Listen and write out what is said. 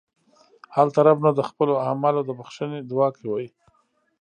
هلته رب نه د خپلو اعمالو د بښنې دعا کوئ.